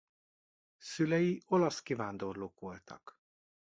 Szülei olasz kivándorlók voltak.